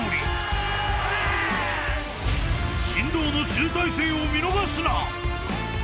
［神童の集大成を見逃すな！］